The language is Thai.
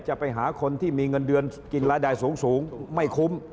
จะไปหาคนที่มีเงินเดือนกินรายได้สูงไม่คุ้ม